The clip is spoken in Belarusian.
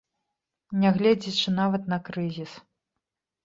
Нягледзячы нават на крызіс.